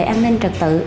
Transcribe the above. an ninh trật tự